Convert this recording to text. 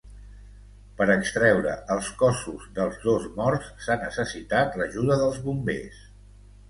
Per extreure els cossos dels dos morts, s’ha necessitat l’ajuda dels bombers.